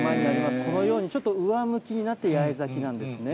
このように、ちょっと上向きになって、八重咲なんですね。